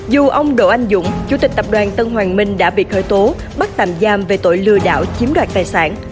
dù ông đỗ anh dũng chủ tịch tập đoàn tân hoàng minh đã bị khởi tố bắt tạm giam về tội lừa đảo chiếm đoạt tài sản